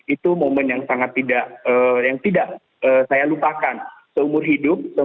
itu momen yang sangat tidak yang tidak saya lupakan seumur hidup